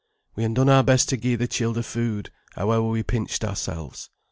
We han done our best to gi' the childer food, howe'er we pinched ourselves."